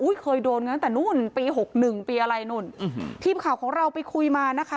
อุ้ยเคยโดนเงินตั้งแต่นู่นปี๖๑ปีอะไรนู่นทีมข่าวของเราไปคุยมานะคะ